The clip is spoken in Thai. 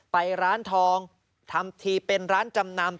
ไปร้านทองทำทีเป็นร้านจำนำ